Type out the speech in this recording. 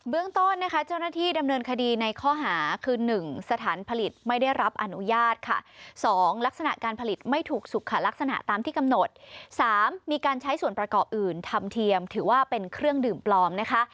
ต้นนะคะเจ้าหน้าที่ดำเนินคดีในข้อหาคือ๑สถานผลิตไม่ได้รับอนุญาตค่ะ๒ลักษณะการผลิตไม่ถูกสุขค่ะลักษณะตามที่กำหนด๓มีการใช้ส่วนประกอบอื่นทำเทียมถือว่าเป็นเครื่องดื่มปลอมนะคะ